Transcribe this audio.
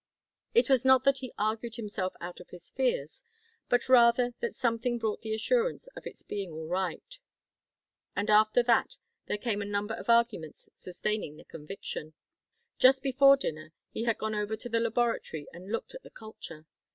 It was not that he argued himself out of his fears, but rather that something brought the assurance of its being all right, and after that there came a number of arguments sustaining the conviction. Just before dinner he had gone over to the laboratory and looked at the culture.